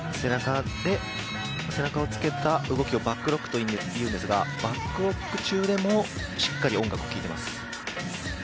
背中をつけた動きをバックロックというんですけどバックロック中でもしっかり音楽を聴いてます。